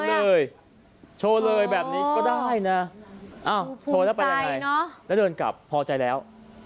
เลยโชว์เลยแบบนี้ก็ได้นะโชว์แล้วไปยังไงแล้วเดินกลับพอใจแล้ว